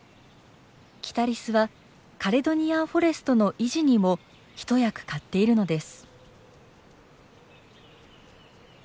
キタリスはカレドニアンフォレストの維持にも一役買っているのです。